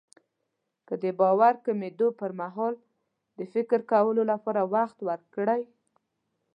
که د باور کمېدو پرمهال د فکر کولو لپاره وخت ورکړئ.